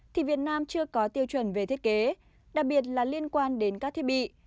thì việt nam chưa có tiêu chuẩn về thiết kế đặc biệt là liên quan đến các thiết bị